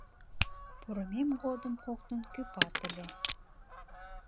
Пурымем годым коктын кӱпат ыле.